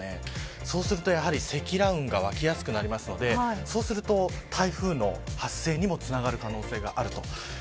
そうすると積乱雲が湧きやすくなりますのでそうすると台風の発生にもつながる可能性があると。